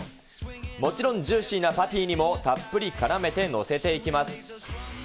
もちろんジューシーなパティにもたっぷりからめて載せていきます。